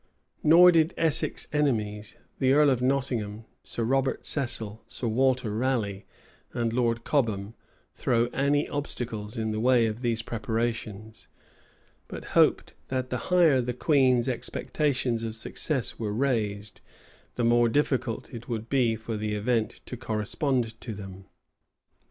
Nor did Essex's enemies, the earl of Nottingham, Sir Robert Cecil, Sir Walter Raleigh, and Lord Cobham, throw any obstacles in the way of these preparations; but hoped that the higher the queen's expectations of success were raised, the more difficult it would be for the event to correspond to them.